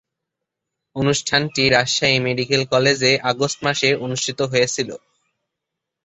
অনুষ্ঠানটি রাজশাহী মেডিকেল কলেজে আগস্ট মাসে অনুষ্ঠিত হয়েছিলো।